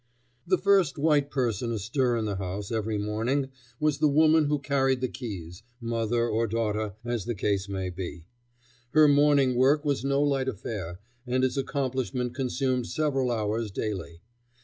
The first white person astir in the house every morning was the woman who carried the keys, mother or daughter, as the case might be. Her morning work was no light affair, and its accomplishment consumed several hours daily.